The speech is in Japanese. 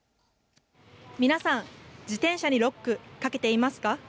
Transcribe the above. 皆さん、自転車にロックかけていますか。